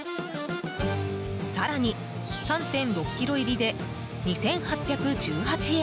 更に、３．６ｋｇ入りで２８１８円。